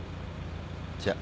じゃあ。